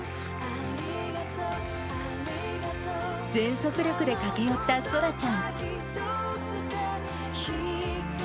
全速力で駆け寄ったそらちゃん。